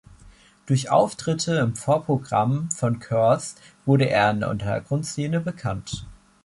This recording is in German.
Durch Auftritte im Vorprogramm von Curse wurde er in der Untergrundszene bekannt.